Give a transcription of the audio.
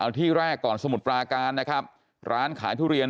เอาที่แรกก่อนสมุทรปราการนะครับร้านขายทุเรียน